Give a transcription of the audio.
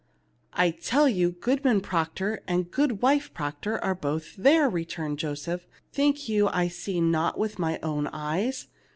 "I tell you, Goodman Proctor and Goodwife Proctor are both there," returned Joseph. "'Think you I see not with my own eyes